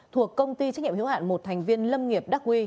thuộc công ty trách nhiệm hiếu hạn một thành viên lâm nghiệp đắk huy